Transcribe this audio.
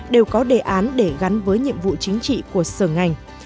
đều có đề án để gắn với nhiệm vụ chính trị của sở ngành